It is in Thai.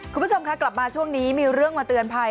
คุณผู้ชมค่ะกลับมาช่วงนี้มีเรื่องมาเตือนภัย